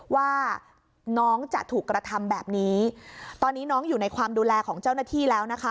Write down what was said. ว่าน้องจะถูกกระทำแบบนี้ตอนนี้น้องอยู่ในความดูแลของเจ้าหน้าที่แล้วนะคะ